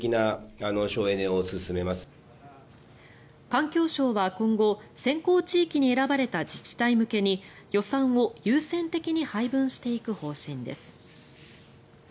環境省は今後先行地域に選ばれた自治体向けに予算を優先的に配分していく方針です。